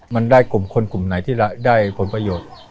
มันได้กลุ่มคนกลุ่มไหนที่ได้ผลประโยชน์